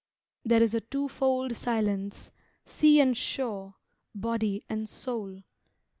There is a two fold Silence sea and shore Body and soul.